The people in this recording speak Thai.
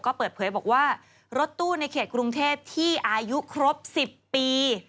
ก็เปิดเผยบอกว่ารถตู้ในเขตกรุงเทพที่อายุครบ๑๐ปี